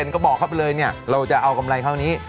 ก็บอกเข้าไปเลยเนี่ยเราจะเอากำไรเท่านี้